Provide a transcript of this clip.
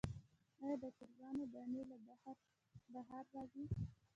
آیا د چرګانو دانی له بهر راځي؟